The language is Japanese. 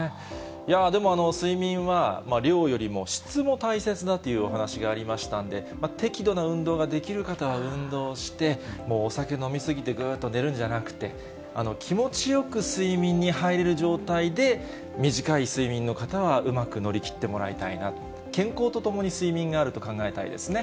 でも、睡眠は量よりも質も大切だというお話がありましたんで、適度な運動ができる方は運動をして、もうお酒飲み過ぎて、ぐーっと寝るんじゃなくて、気持ちよく睡眠に入れる状態で、短い睡眠の方はうまく乗り切ってもらいたいな、健康とともに睡眠があると考えたいですね。